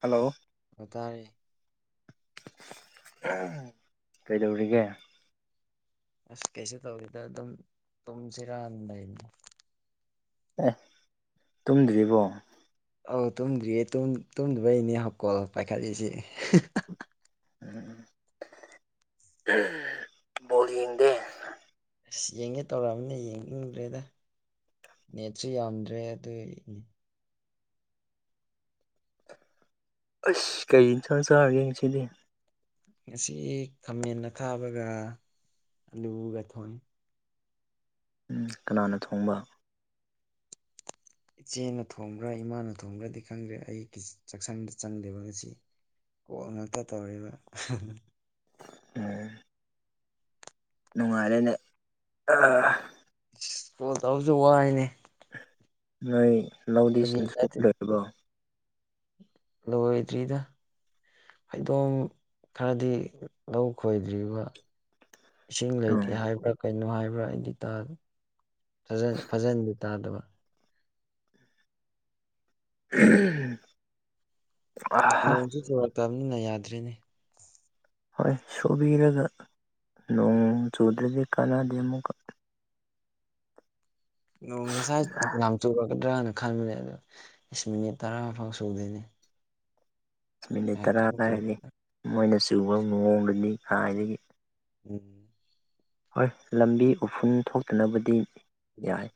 hello ꯑꯣꯏꯇꯥꯔꯦ ꯀꯩꯗꯧꯔꯤꯒꯦ ꯑꯁ ꯀꯩꯁꯨ ꯇꯧꯔꯤꯗ ꯑꯗꯨꯝ ꯇꯨꯝꯁꯤꯔꯗꯥꯅꯤ ꯑꯦ ꯇꯨꯝꯗ꯭ꯗꯤꯕꯣ ꯑꯧ ꯇꯨꯝꯗ꯭ꯔꯤꯌꯦ ꯇꯨꯝꯗꯕꯩꯅꯦ ꯍꯧꯞꯀꯣꯜ ꯄꯥꯏꯈꯠꯂꯤꯁꯤ ꯣꯗꯦ ꯑꯁ ꯌꯦꯡꯒꯦ ꯇꯧꯔꯛꯑꯃꯤꯅ ꯌꯦꯡꯅꯤꯡꯗ꯭ꯔꯦꯗ ꯅꯦꯆ ꯌꯥꯟ꯭ꯔꯦ ꯑꯗꯨ ꯑꯗꯨ ꯑꯁ ꯀꯩ ꯁꯪ ꯆꯥꯔꯒꯦ ꯁꯤꯗꯤ ꯉꯁꯤ ꯈꯥꯃꯦꯟ ꯑ ꯈꯥꯕꯒ ꯑꯂꯨꯒ ꯊꯣꯟꯅꯤ ꯎ ꯀꯅꯥꯅ ꯊꯣꯡꯕ ꯏꯆꯦꯅ ꯊꯣꯡꯕ꯭ꯔꯥ ꯏꯃꯥꯅ ꯊꯣꯡꯕ꯭ꯔꯥꯗꯤ ꯈꯪꯗ꯭ꯔꯦ ꯑꯩ ꯆꯥꯛꯁꯪꯗ ꯆꯪꯗꯦꯕ ꯉꯁꯤ ꯀꯣꯛ ꯉꯥꯛꯇ ꯇꯧꯔꯤꯕ ꯎꯝ ꯅꯨꯡꯉꯥꯏꯔꯦꯅꯦ ꯑ ꯀꯣꯜ ꯇꯧꯁꯨ ꯋꯥꯏꯅꯦ ꯅꯣꯏ ꯐꯥꯒꯤ ꯂꯧꯗꯤꯁꯤꯡ ꯁ ꯅꯠꯇꯦ ꯂꯣꯏꯔꯤꯕꯣ ꯂꯣꯏꯗ꯭ꯔꯤꯗ ꯐꯩꯗꯣꯝ ꯈꯔꯗꯤ ꯂꯧ ꯈꯣꯏꯗ꯭ꯔꯤꯕ ꯏꯁꯤꯡ ꯎꯝ ꯂꯩꯇꯦ ꯍꯥꯏꯕ꯭ꯔꯥ ꯀꯩꯅꯣ ꯍꯥꯏꯕ꯭ꯔꯥ ꯑꯩꯗꯤ ꯇꯥ ꯐꯖ ꯐꯖꯟꯗꯤ ꯇꯥꯗꯕ [inaudible] ꯑꯍꯥ ꯅꯣꯡꯁꯨ ꯆꯨꯔꯛꯇꯕꯅꯤꯅ ꯌꯥꯗ꯭ꯔꯤꯅꯦ ꯍꯣꯏ ꯁꯨꯕꯤꯔꯒ ꯅꯣꯡ ꯆꯨꯗ꯭ꯔꯗꯤ ꯀꯥꯟꯅꯗꯦ ꯑꯃꯨꯛꯀ ꯅꯣꯡ ꯉꯁꯥꯏ ꯌꯥꯝ ꯆꯨ ꯀꯗ꯭ꯔ ꯈꯟꯕꯅꯦ ꯑꯗꯣ ꯏꯁ ꯃꯤꯅꯤꯠ ꯇꯔꯥ ꯐꯥꯎ ꯁꯨꯗꯣꯏꯅꯦ ꯃꯤꯅꯤꯠ ꯇꯔꯥ ꯀꯥꯏꯔꯗꯤ ꯃꯣꯏꯅ ꯆꯨꯕ ꯃꯑꯣꯡꯗꯗꯤ ꯈꯥꯏꯏꯗꯒꯤ ꯎꯝ ꯍꯣꯏ ꯂꯝꯕꯤ ꯎꯐꯨꯟ ꯊꯣꯛꯇꯅꯕꯗꯤ ꯌꯥꯏ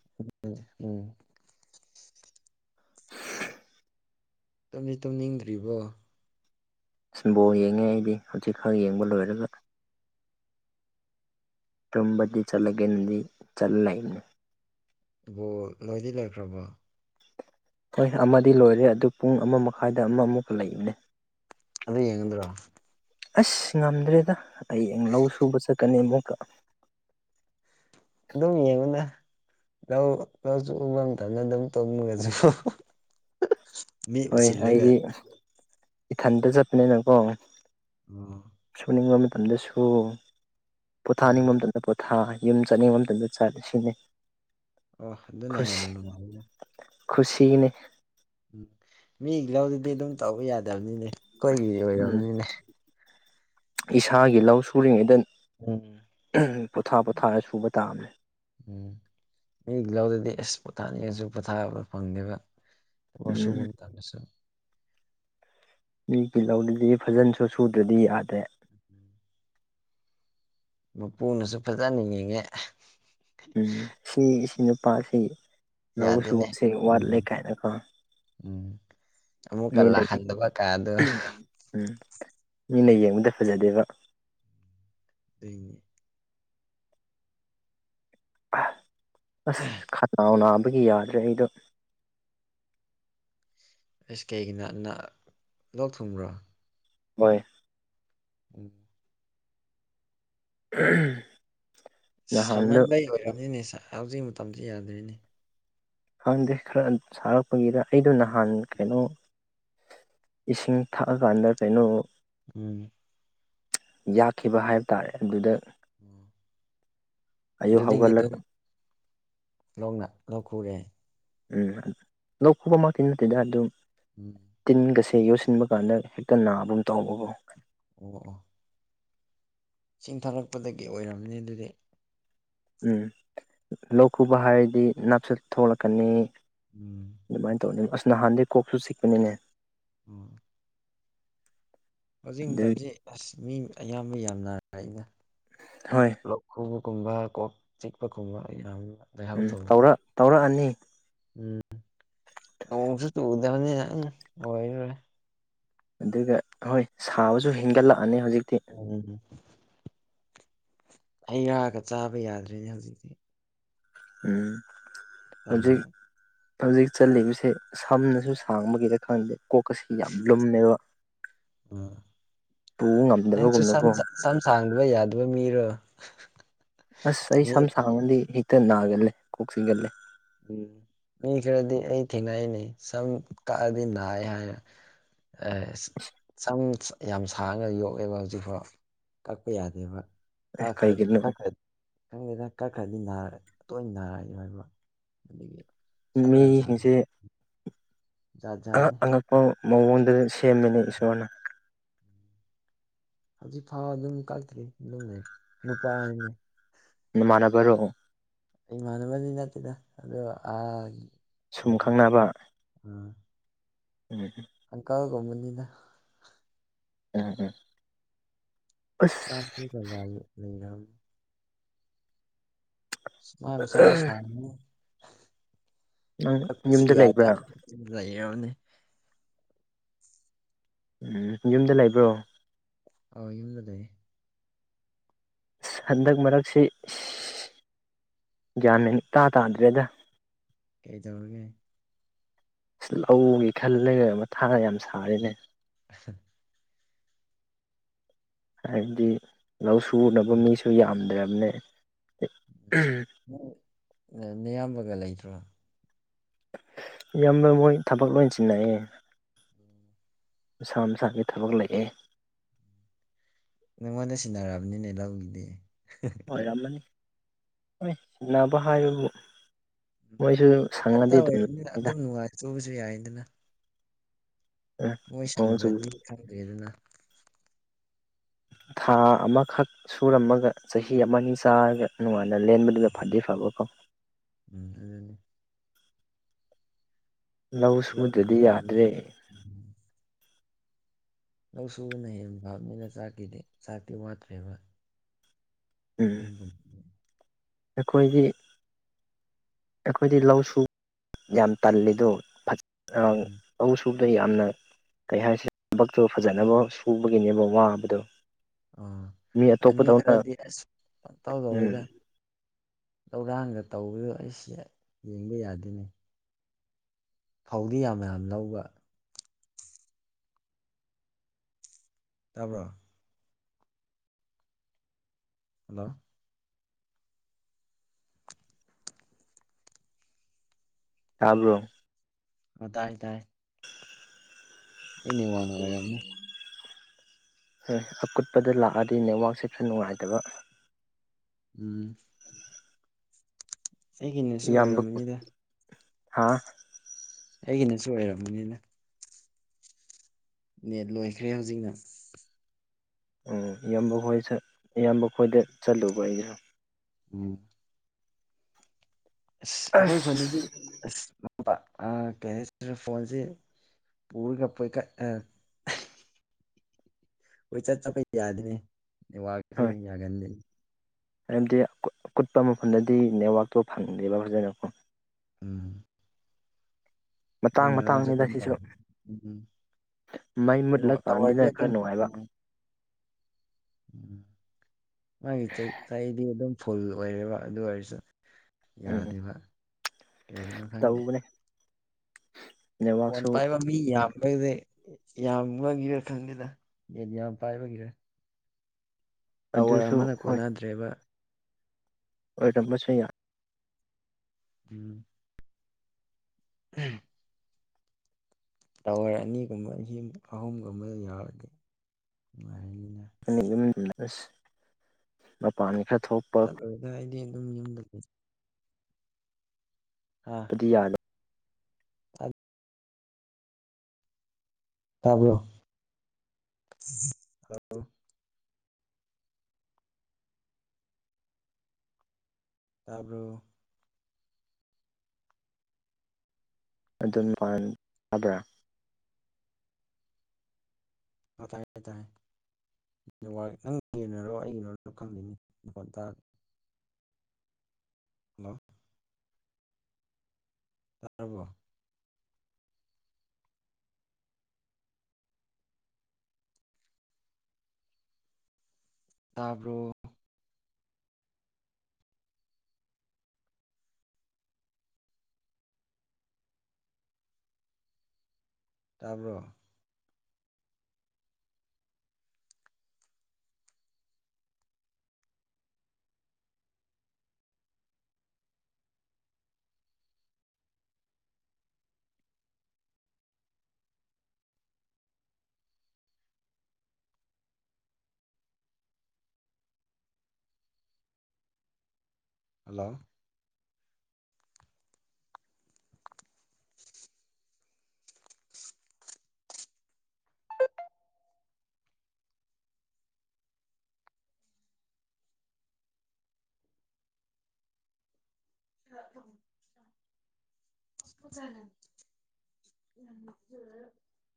ꯎꯝ ꯎꯝ [inaudible] ꯇꯨꯝꯗꯤ ꯇꯨꯝꯅꯤꯡꯗ꯭ꯔꯤꯕꯣ ꯏꯁꯕꯣ ꯌꯦꯡꯉꯦ ꯑꯩꯗꯤ ꯍꯧꯖꯤꯛ ꯈꯔ ꯌꯦꯡꯕ ꯂꯣꯏꯔꯒ ꯇꯨꯝꯝꯕꯗꯤ ꯆꯂꯒꯗꯤ ꯆꯂꯂꯅꯤ ꯣ ꯂꯣꯏꯗꯤ ꯂꯩꯈ꯭ꯔꯕꯣ ꯍꯣꯏ ꯑꯃꯗꯤ ꯂꯣꯏꯔꯦ ꯑꯗꯨ ꯄꯨꯡ ꯑꯃ ꯃꯈꯥꯏꯗ ꯑꯃ ꯑꯃꯨꯛꯀ ꯂꯩꯕꯅꯦ ꯑꯗꯨꯗꯦ ꯌꯦꯡꯉ ꯑꯗꯨꯔꯣ ꯑꯁ ꯉꯝꯗ꯭ꯔꯦꯗ ꯑꯩꯡ ꯂꯧ ꯁꯨꯕ ꯆꯠꯀꯅꯤ ꯑꯃꯨꯛꯀ ꯑꯗꯨꯃꯤ ꯌꯦꯉꯅ ꯌꯥ ꯀ ꯎꯕꯝ ꯊꯃꯦꯗ ꯇ ꯃꯒꯁꯨ ꯍꯣꯏ ꯑꯩꯗꯤ ꯏꯊꯟꯇ ꯆꯠꯄꯅꯤꯅꯀꯣ ꯑ ꯁꯨꯅꯤꯡꯕ ꯃꯇꯝꯗꯁꯨ ꯎꯝ ꯄꯣꯊꯥꯅꯤꯡꯕ ꯃꯇꯝꯗ ꯄꯣꯊꯥ ꯌꯨꯝ ꯆꯠꯅꯤꯡꯕ ꯃꯇꯝꯗ ꯆꯥꯕ ꯁꯤꯖꯤꯅꯩ ꯑꯣ ꯑꯗꯨꯅ ꯍꯦꯟꯅ ꯅꯨꯡꯉꯥꯏꯗ ꯈꯨꯁꯤꯅꯤ ꯎꯝ ꯃꯤ ꯂꯧꯗꯨꯗꯤ ꯑꯗꯨꯝ ꯇꯧꯕ ꯌꯥꯗꯕꯅꯤꯅꯦ ꯑꯩꯈꯣꯏꯒꯤ ꯎꯝ ꯑꯣꯏꯔꯕꯅꯤꯅꯦ ꯏꯁꯥꯒꯤ ꯂꯧ ꯁꯨꯔꯤꯉꯩꯗ ꯎꯝ ꯎ ꯄꯣꯊꯥ ꯄꯣꯊꯥꯔ ꯁꯨꯕ ꯇꯥꯝꯃꯦ ꯎꯝ ꯃꯤ ꯂꯧꯥꯎꯗꯗꯤ ꯑꯦꯁ ꯄꯣꯊꯥꯅꯤꯡꯉꯁꯨ ꯄꯣꯊꯥꯕ ꯐꯪꯗꯦꯕ ꯎꯝ ꯁ ꯊꯦ ꯁ ꯃꯤ ꯀꯤꯜꯍꯧꯗꯨꯗꯤ ꯐꯖꯟꯁꯨ ꯁꯨꯗ꯭ꯔꯗꯤ ꯌꯥꯗ꯭ꯔꯦ ꯃꯄꯨꯅꯁꯨ ꯐꯖꯅ ꯌꯦꯡꯉꯦ ꯎꯝ ꯁꯤ ꯅꯨꯄꯥꯁꯤ ꯂꯧꯎ ꯌꯥꯗꯦꯅꯦ ꯎꯕꯁꯦ ꯎꯝ ꯋꯥꯠꯂꯦ ꯀꯥꯏꯅꯀꯣ ꯎꯝ ꯑꯃꯨꯛꯀ ꯃꯤꯅꯗꯤ ꯂꯥꯛꯍꯟꯗꯕ ꯀꯥꯗꯣ ꯎꯝ ꯃꯤꯅ ꯌꯦꯡꯕꯗ ꯐꯖꯗꯦꯕ ꯂꯩꯅꯤ ꯑꯁ ꯈꯅ ꯎꯅ ꯒꯤ ꯌꯥꯗ꯭ꯔꯦ ꯑꯩꯗꯣ ꯑꯩꯁ ꯀꯩꯒꯤꯅ ꯂꯧ ꯊꯨꯡꯕ꯭ꯔꯣ ꯍꯣꯏ ꯎ ꯎꯝ ꯁꯥꯍꯟꯕ ꯌꯥꯔꯅꯤꯅꯦ ꯍꯧꯖꯤꯛ ꯃꯇꯝꯁꯤ ꯌꯥꯗꯣꯏꯅꯦ ꯈꯪꯗꯦ ꯈꯔ ꯁꯥꯔꯛꯄꯒꯤꯗ ꯑꯩꯗꯣ ꯅꯍꯥꯟ ꯀꯩꯅꯣ ꯏꯁꯤꯡ ꯊꯛꯑꯀꯥꯟꯗ ꯀꯩꯅꯣ ꯎꯝ ꯌꯥꯛꯈꯤꯕ ꯍꯥꯏꯕ ꯇꯥꯔꯦ ꯑꯗꯨꯗ ꯎꯝ ꯑꯌꯨꯛ ꯑꯗꯨꯗꯤ ꯑꯗꯨ ꯍꯧꯒꯠꯂꯒ ꯂꯧꯣꯛꯅ ꯂꯧꯣꯛ ꯈꯨꯔꯦ ꯎꯝ ꯂꯧꯣꯛ ꯈꯨꯕ ꯑꯃ ꯇꯤꯟ ꯅꯠꯇꯦꯗ ꯑꯗꯨ ꯎꯝ ꯇꯤꯟꯒꯁꯤ ꯁꯤꯦ ꯌꯣꯠꯁꯤꯟꯕ ꯀꯥꯟꯗ ꯍꯦꯛꯇ ꯅꯥꯕꯨꯝ ꯇꯧꯧꯕꯀꯣ ꯑꯣ ꯆꯤꯡꯊꯔꯛꯄꯗꯒꯤ ꯑꯣꯏꯔꯝꯅꯤ ꯑꯗꯨꯗꯤ ꯎꯝ ꯂꯧ ꯈꯨꯕ ꯍꯥꯏꯔꯗꯤ ꯅꯥꯞꯆꯠ ꯊꯣꯛꯂꯛꯀꯅꯤ ꯎꯝ ꯑꯗꯨꯃꯥꯏꯅ ꯇꯧꯅꯤ ꯑꯁ ꯅꯍꯥꯟꯗꯒꯤꯩ ꯀꯣꯛꯁꯨ ꯁꯤꯛꯄꯅꯤꯅꯦ ꯎꯝ ꯍꯧꯖꯤꯛ ꯑꯗꯨ ꯃꯇꯝꯁꯤ ꯑꯁ ꯃꯤ ꯑꯌꯥꯝꯕ ꯌꯥꯝ ꯅꯥꯔ ꯑꯩꯅ ꯍꯣꯏ ꯈꯨꯕ ꯀꯨꯝꯕ ꯀꯣꯛ ꯆꯤꯛꯄꯒꯨꯝꯕ ꯌꯥꯝꯌꯥꯝ ꯎꯝ ꯇꯧꯔꯛ ꯇꯧꯔꯛꯑꯅꯤ ꯑꯣꯁꯨꯗꯅꯤ ꯋꯥꯦ ꯑꯗꯨꯒ ꯍꯣꯏ ꯁꯥꯕꯁꯨ ꯍꯦꯟꯒꯠꯂꯛ ꯎ ꯑꯩꯔꯥꯛꯑꯒ ꯆꯥꯕ ꯌꯥꯗ꯭ꯔꯦꯅꯦ ꯍꯧꯖꯤꯛꯇꯁꯤ ꯎꯝ ꯍꯧꯖꯤꯛ ꯊꯝꯃꯦ ꯍꯧꯖꯤꯛ ꯆꯠꯂꯤꯕꯁꯦ ꯁꯝꯅꯁꯨ ꯁꯥꯡꯕꯒꯤꯗ ꯈꯪꯗꯦ ꯀꯣꯛꯀ ꯑꯁꯤ ꯌꯥꯝ ꯂꯨꯝꯃꯦꯕ ꯎꯝ ꯄꯨꯕ ꯅꯪꯁꯨ ꯉꯝꯗꯕꯒꯨꯝꯅꯀꯣ ꯁꯝ ꯁꯥꯡꯗꯕ ꯌꯥꯗꯕ ꯃꯤꯔꯣ ꯑꯁ ꯑꯩ ꯃꯤ ꯁꯝ ꯁꯥꯡꯅꯗꯤ ꯍꯦꯛꯇ ꯅꯥꯒꯂꯦ ꯀꯣꯛꯁꯤꯒꯠꯂꯦ ꯎꯝ ꯃꯤ ꯈꯔꯗꯤ ꯑꯩ ꯊꯦꯡꯅꯅꯤꯩ ꯁꯝ ꯀꯛꯑꯗꯤ ꯅꯥꯏꯏ ꯍꯥꯏꯔꯦ ꯁꯝ ꯌꯥꯝ ꯁꯥꯡꯅ ꯌꯣꯛꯑꯦꯕ ꯍꯧꯖꯤꯛꯐꯥꯎ ꯀꯛꯄ ꯌꯥꯗꯦꯕ ꯑꯦ ꯀꯩꯒꯤꯅꯣ ꯈ꯭ꯔ꯭ꯔ ꯈꯪꯦ ꯀꯛꯈ꯭ꯔꯗꯤꯅꯥꯔ ꯇꯣꯏꯅ ꯅꯥꯔꯛꯕ ꯑꯦ ꯃꯤꯁꯤꯡꯁꯦ ꯖꯥꯠ ꯑꯉꯛ ꯖꯥꯠꯅꯤ ꯑꯉꯛꯄ ꯃꯑꯣꯡꯗꯨ ꯁꯦꯝꯃꯤꯅꯦ ꯏꯁꯣꯔꯅ ꯍꯧꯖꯤꯛ ꯐꯥꯎ ꯑꯗꯨꯝ ꯀꯇ꯭ꯔꯤ ꯑꯗꯨꯝꯅꯦ ꯅꯨꯄꯥ ꯍꯥꯏꯅꯦ ꯅꯃꯅꯅꯕꯔꯣ ꯑꯩꯃꯥꯟꯅꯕꯗꯤ ꯅꯠꯇꯦꯗ ꯑꯗꯣ ꯑ ꯁꯨꯝ ꯈꯪꯅꯕ ꯎꯝ ꯑꯪꯀꯜꯒꯨꯝꯕꯅꯤꯅ ꯎꯝ ꯎꯝ ꯑꯁ ꯆꯒ ꯂꯩꯔꯝ ꯃꯥ ꯑꯦꯝꯁꯗꯤ ꯁ ꯅꯪ ꯁꯤ ꯌꯨꯝꯗ ꯌꯥꯗ ꯂꯩꯕ꯭ꯔꯥ ꯂꯩꯅꯤ ꯎꯝ ꯌꯨꯝꯗ ꯂꯩꯕ꯭ꯔꯣ ꯑ ꯌꯗꯗꯦ ꯑ ꯍꯟꯗꯛ ꯃꯔꯛꯁꯤ ꯌꯥꯃꯤꯅꯤ ꯇꯥ ꯇꯥꯗ꯭ꯔꯦꯗ ꯀꯩ ꯇꯎꯔꯒꯦ ꯑ ꯂꯧꯒꯦ ꯈꯜꯂꯒ ꯃ ꯊꯥꯡꯅ ꯌꯥꯝ ꯁꯥꯔꯤꯅꯦ ꯍꯥꯏꯕꯗꯤ ꯂꯧ ꯁꯨꯅꯕ ꯃꯤꯁꯨ ꯌꯥꯝꯗ꯭ꯔꯕꯅꯦ ꯎ ꯅꯌꯥꯝꯕꯒ ꯂꯩꯇ꯭ꯔꯣ ꯌꯥꯝꯅ ꯃꯣꯏ ꯊꯕꯛ ꯂꯣꯏ ꯆꯤꯟꯅꯑꯦ ꯃꯁꯥ ꯃꯁꯥꯒꯤ ꯊꯕꯛ ꯂꯩꯑꯦ ꯅꯪꯉꯣꯟꯗ ꯁꯤꯟꯅꯔꯛꯑꯕꯅꯤꯅꯦ ꯂꯧꯒꯤꯗꯤ ꯑꯣꯏꯔꯝꯃꯅꯤ ꯍꯣꯏ ꯁꯤꯅꯕ ꯍꯥꯏꯌꯨꯕꯨ ꯃꯣꯏꯁꯨ ꯏꯊꯟꯇ ꯁꯪꯉꯗꯤꯦ ꯑꯣꯏꯕꯅꯤꯅ ꯑꯗꯨꯝꯗ ꯑꯗꯨꯝ ꯅꯨꯡꯉꯥꯏꯊꯣꯛꯎꯕꯁꯨ ꯌꯥꯏꯗꯅ ꯃꯣꯏ ꯁꯪꯗ꯭ꯔꯗꯤ ꯈꯪꯗꯦ ꯑꯗꯨꯅ ꯊꯥ ꯑꯃꯈꯛ ꯁꯨꯔꯝꯃꯒ ꯆꯍꯤ ꯑꯃꯅꯤꯅꯤ ꯆꯥꯔꯒ ꯅꯨꯡꯉꯥꯏ ꯂꯦꯟꯦꯟꯕꯗꯨ ꯐꯗꯤ ꯐꯕ ꯀꯣ ꯎꯝ ꯑꯗꯨꯅꯤ ꯂꯧ ꯂꯧꯒꯤ ꯁꯨꯗ꯭ꯔꯗꯤ ꯌꯥꯗ꯭ꯔꯦ ꯃꯇꯝꯗꯗꯤ ꯎꯝ ꯂꯧ ꯁꯨꯕꯅ ꯍꯦꯟꯅ ꯐꯥꯕꯅꯤꯅ ꯆꯥꯛꯈꯤꯗꯦ ꯆꯥꯛꯇꯤ ꯋꯥꯠꯇ꯭ꯔꯦꯕ [inaudible] ꯑꯩꯈꯣꯏꯒꯤ ꯑꯩꯈꯣꯏꯗꯤ ꯂꯧꯁꯨ ꯌꯥꯝ ꯇꯜꯂꯤꯗꯣ ꯎꯝ ꯂꯧ ꯐ꯭ꯔꯨꯞꯗ ꯌꯥꯝꯅ ꯀꯩ ꯍꯥꯏꯁꯤꯦ ꯊꯕꯛꯇꯨ ꯐꯖꯅꯕ ꯁꯨꯕꯒꯤꯅꯦꯕ ꯋꯥꯕꯗꯣ ꯑ ꯃꯤ ꯈꯔꯗꯤ ꯑꯁ ꯇꯥꯎꯗꯧꯕꯩꯗ ꯎꯝ ꯂꯧꯧꯔꯥꯡꯒ ꯇꯧꯕꯗꯣ ꯑꯩꯁꯦ ꯌꯦꯡꯕ ꯌꯥꯗꯣꯏꯅꯩ ꯐꯧꯗꯤ ꯌꯥꯝ ꯌꯥꯝ ꯂꯧꯕ ꯇꯥꯕ꯭ꯔꯣ ꯍꯜꯂꯣ ꯀꯥꯕ꯭ꯔꯣ ꯍ ꯇꯥꯏ ꯇꯥꯏ ꯏꯅꯤ ꯋꯥꯅ ꯌꯥ ꯣꯏ ꯑꯀꯨꯠꯄꯗ ꯂꯥꯛꯑꯗꯤ ꯅꯦꯠꯋꯥꯛꯁꯦ ꯈꯔ ꯅꯨꯡꯉꯥꯏꯇꯕ ꯎꯝ ꯑꯩꯒꯤꯅꯁꯨ ꯑꯣꯏꯔꯝꯔꯕꯅꯤꯗ ꯍꯥꯥ ꯑꯩꯒꯤꯅꯁꯨ ꯑꯣꯏꯔꯝꯕꯅꯤꯅ ꯅꯦꯠ ꯂꯣꯏꯈ꯭ꯔꯦ ꯍꯧꯖꯤꯛꯅ ꯎꯝ ꯏꯌꯥꯝꯕ ꯈꯣꯏ ꯏꯌꯥꯝꯕ ꯈꯣꯏꯗ ꯆꯠꯂꯨꯕ ꯑꯩꯁꯨ ꯎꯝ ꯑꯁ ꯑꯩꯈꯣꯏ ꯈꯨꯅꯗꯤ ꯑꯁ ꯑꯁ ꯀꯩ ꯍꯥꯏꯁꯤꯔꯦ ꯐꯣꯟꯁꯦ ꯄꯨꯔꯒ ꯄꯣꯏꯀꯠ ꯍꯣꯏ ꯆꯠ ꯆꯄꯩ ꯌꯥꯗꯦ ꯋꯥꯁꯦ ꯍꯣꯏ ꯌꯥꯒꯟꯗꯦ ꯍꯥꯏꯕꯗꯤ ꯑꯀꯨꯠꯄ ꯃꯐꯝꯗꯗꯤ ꯅꯦꯠꯋꯥꯛꯇꯣ ꯐꯪꯗꯦꯕ ꯐꯖꯅꯀꯣ ꯎꯝ ꯃꯇꯥꯡ ꯏꯅꯁꯤ ꯃꯇꯥꯡꯅꯤꯗ ꯁꯤꯁꯨ ꯃꯩ ꯇꯋꯥ ꯃꯨꯠꯂꯀꯥꯟꯗꯅ ꯈꯔ ꯑꯗꯨꯝ ꯅꯨꯡꯉꯥꯏꯕ ꯎ ꯃꯥꯒꯤ ꯆꯩ ꯆꯍꯤꯗꯤ ꯑꯗꯨꯝ ꯐꯨꯜ ꯑꯣꯏꯔꯦꯕ ꯑꯗꯨ ꯑꯣꯏꯔꯁꯨ ꯎꯝ ꯌꯥꯗꯦꯕ ꯀꯒꯤꯩꯅꯣ ꯈꯪꯗꯦ ꯇꯧꯕꯅꯦ [inaudible] ꯐꯣꯟ ꯄꯥꯏꯕ ꯃꯤ ꯌꯥ ꯃꯗꯤ ꯌꯥꯝꯅꯒꯤꯔꯥ ꯈꯪꯗꯦꯗ ꯌꯦꯠ ꯌꯥꯝ ꯄꯥꯏꯕꯒꯤꯔꯦ ꯇꯋꯔ ꯑꯗꯨꯁꯨ ꯑꯃꯅ ꯀꯣꯟꯅꯗ꯭ꯔꯦꯕ ꯑꯣꯏꯗꯝꯕꯁ ꯌꯥ ꯎꯝ ꯎꯝ [unintelligible] ꯇꯧꯔ ꯑꯅꯤꯒꯨꯝꯕ ꯑ ꯑꯍꯨꯝꯒꯨꯝꯕ ꯌꯥꯎꯔꯗꯤ ꯅꯨꯡꯉꯥꯏꯔꯅꯤꯗ ꯑꯁ ꯃꯄꯥꯟ ꯈꯛꯇ ꯆꯠꯂꯨꯔꯒ ꯑꯩꯗꯤ ꯑꯗꯨꯝ ꯌꯨꯝꯗ ꯂꯩ ꯑꯗꯨꯗꯤ ꯌꯥꯔꯦ ꯑ [unintelligible] ꯇꯥꯕ꯭ꯔꯣ ꯇꯥꯕ꯭ꯔꯣ ꯑꯗꯨ ꯌꯥꯕ꯭ꯔꯥ [unintelligible] ꯑ ꯇꯥꯏꯌꯦ-ꯇꯥꯏꯌꯦ ꯅꯦꯛꯋꯥꯔꯛ ꯅꯪꯒꯤꯅꯥꯔꯣ ꯑꯩꯒꯤꯅꯥꯔꯣ ꯈꯪꯗꯦꯅꯦ ꯃꯥꯈꯣꯜ ꯇꯥꯗꯦ ꯍꯥꯜꯂꯣ ꯇꯥꯔꯕꯣ ꯇꯥꯕ꯭ꯔꯣ ꯇꯥꯕ꯭ꯔꯣ ꯍꯥꯜꯂꯣ [unintelligible] ꯎ [unintelligible] ꯀꯅ [unintelligible]